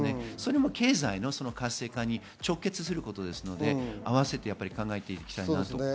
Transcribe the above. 経済の活性化に直結することですので、合わせて考えていきたいと。